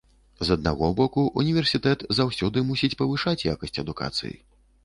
З аднаго боку, універсітэт заўсёды мусіць павышаць якасць адукацыі.